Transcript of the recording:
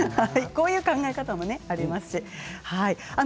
こういう考え方もありますね。